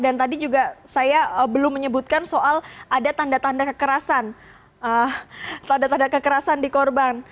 dan tadi juga saya belum menyebutkan soal ada tanda tanda kekerasan di korban